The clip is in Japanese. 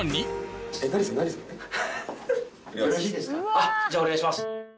しかしじゃあお願いします。